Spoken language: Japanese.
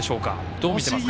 どう見てますか？